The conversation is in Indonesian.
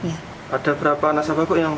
ada berapa nasabah yang